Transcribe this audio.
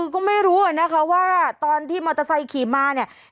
ก็ไม่รู้นะคะว่าตอนที่มอเตอร์ไซค์ขี่มาเนี่ย